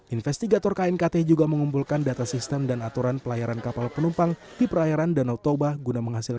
investigator knkt juga mengumpulkan data sistem dan aturan pelayaran kapal penumpang